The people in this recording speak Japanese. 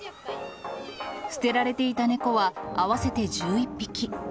捨てられていた猫は合わせて１１匹。